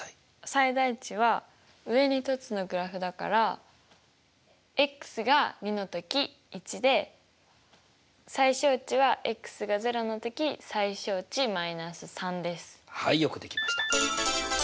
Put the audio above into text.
最大値は上に凸のグラフだから最小値ははいよくできました。